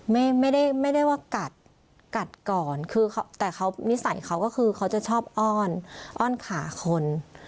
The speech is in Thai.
ไม่ได้ว่ากัดก่อนแต่นิสัยเขาก็คือเขาจะชอบอ้อนขาคน